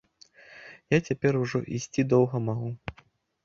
Я цяпер ужо ісці доўга магу.